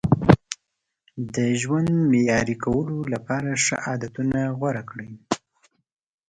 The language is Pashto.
د ژوند معیاري کولو لپاره ښه عادتونه غوره کړئ.